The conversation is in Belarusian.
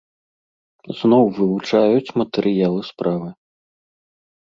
Зноў вывучаюць матэрыялы справы.